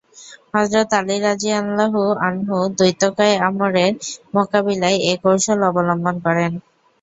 হযরত আলী রাযিয়াল্লাহু আনহু দৈত্যকায় আমরের মোকাবিলায় এ কৌশল অবলম্বন করেন।